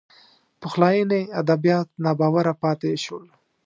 پخلاینې ادبیات ناباوره پاتې شول